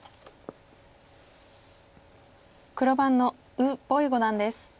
黒番の呉柏毅五段です。